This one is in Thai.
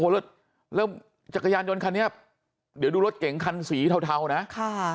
แล้วแล้วจักรยานยนต์คันนี้เดี๋ยวดูรถเก๋งคันสีเทานะค่ะ